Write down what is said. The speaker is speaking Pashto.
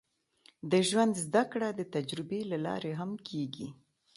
د ژوند زده کړه د تجربې له لارې هم کېږي.